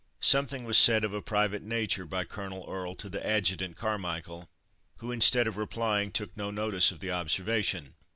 Something was said of a private nature by Colonel Earle to the Adjutant Carmichael, who, instead of replying, took no notice of the observation.